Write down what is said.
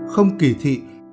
không kỳ thị